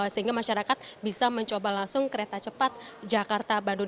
sehingga masyarakat bisa mencoba langsung kereta cepat jakarta bandung